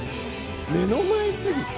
目の前すぎて。